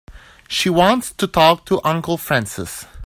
She wants to talk to Uncle Francis.